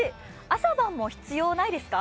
朝晩も必要ないですか？